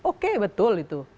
oke betul itu